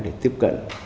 để tiếp cận